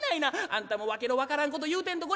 あんたも訳の分からんこと言うてんと